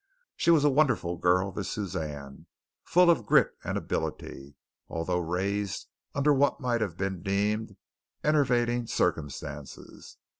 She was a wonderful girl, this Suzanne, full of grit and ability, although raised under what might have been deemed enervating circumstances.